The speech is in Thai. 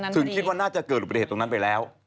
ถึงคิดน่าจะเกิดบุคไธฑ์ตรงนั้นไปแล้ว